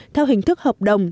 theo hình thức hợp đồng